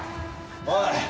おい！